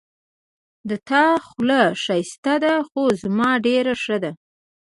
د تا خوله ښایسته ده خو زما ډېره ښه ده